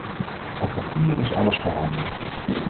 Op papier is alles voorhanden.